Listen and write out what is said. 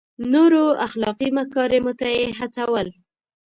نورو اخلاقي مکارمو ته یې هڅول.